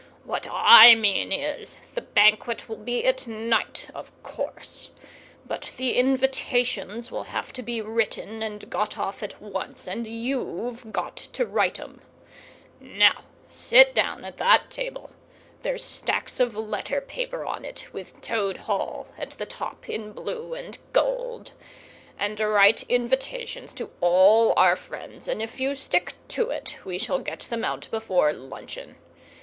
What I mean is, the Banquet will be at night, of course, but the invitations will have to be written and got off at once, and you've got to write 'em. Now, sit down at that table—there's stacks of letter paper on it, with 'Toad Hall' at the top in blue and gold—and write invitations to all our friends, and if you stick to it we shall get them out before luncheon.